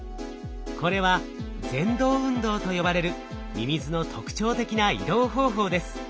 これは蠕動運動と呼ばれるミミズの特徴的な移動方法です。